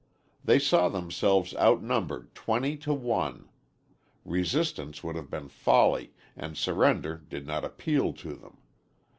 They saw themselves outnumbered twenty to one. Resistance would have been folly and surrender did not appeal to them.